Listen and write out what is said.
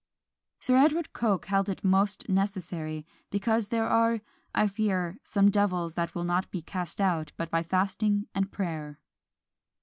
Sir Edward Coke held it most necessary, "because there are, I fear, some devils that will not be cast out but by fasting and prayer."